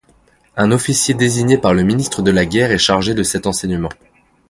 Un officier désigné par le Ministre de la guerre est chargé de cet enseignement.